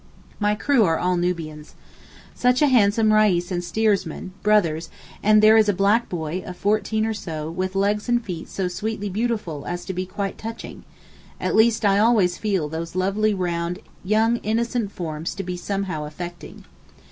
My crew are all Nubians. Such a handsome reis and steersman—brothers—and there is a black boy, of fourteen or so, with legs and feet so sweetly beautiful as to be quite touching—at least I always feel those lovely round young innocent forms to be somehow affecting.